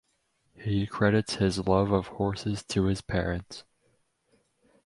He credits his love of horses to his parents.